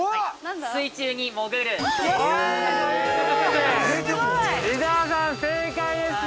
水中に潜るです。